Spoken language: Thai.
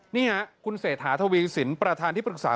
นี่ค่ะคุณเศรษฐาทวีสินประธานที่ปรึกษา